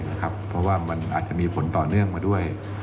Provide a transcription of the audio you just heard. เพราะว่ามันอาจจะมีผลต่อเนื่องมาด้วย